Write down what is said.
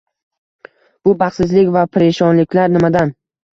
Bu baxtsizlik va parishonliklar nimadan?